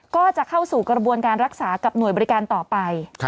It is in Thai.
ก็จะเข้าสู่กระบวนการรักษากับหน่วยบริการต่อไป